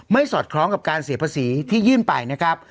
สอดคล้องกับการเสียภาษีที่ยื่นไปนะครับ